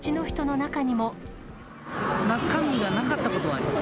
中身がなかったことはあります。